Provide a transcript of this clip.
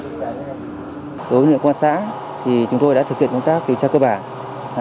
đối với nguyễn quang sã chúng tôi đã thực hiện công tác kiểm tra cơ bản